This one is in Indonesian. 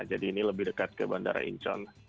jadi ini lebih dekat ke bandara incheon